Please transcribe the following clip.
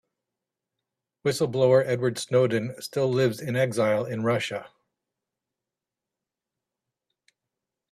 Whistle-blower Edward Snowden still lives in exile in Russia.